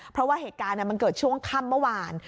เพราะว่าเหตุการณ์มันเกิดช่วงค่ำเมื่อวาน